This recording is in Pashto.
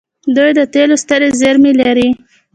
دوی د تیلو سترې زیرمې لري.